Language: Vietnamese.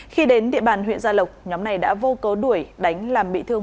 khi đến địa bàn huyện gia lộc nhóm này đã vô cớ đuổi đánh làm bị thương